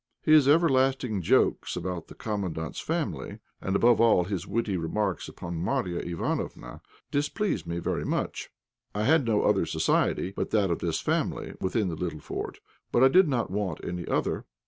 His everlasting jokes about the Commandant's family, and, above all, his witty remarks upon Marya Ivánofna, displeased me very much. I had no other society but that of this family within the little fort, but I did not want any other.